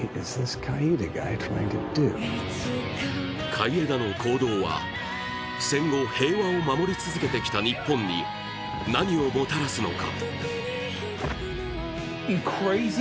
海江田の行動は戦後、平和を守り続けてきた日本に何をもたらすのか？